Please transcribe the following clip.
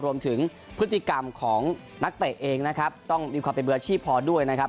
รวมถึงพฤติกรรมของนักเตะเองนะครับต้องมีความเป็นมืออาชีพพอด้วยนะครับ